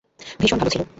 ভাষণ ভালো ছিল।